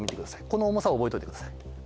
この重さを覚えといてください。